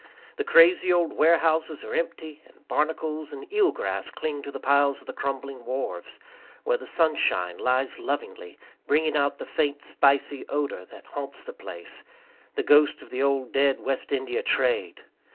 The crazy old warehouses are empty; and barnacles and eel grass cling to the piles of the crumbling wharves, where the sunshine lies lovingly, bringing out the faint spicy odor that haunts the place the ghost of the old dead West India trade!